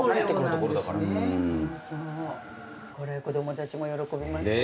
これ子供たちも喜びますよ。